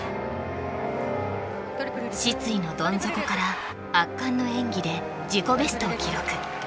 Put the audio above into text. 失意のどん底から圧巻の演技で自己ベストを記録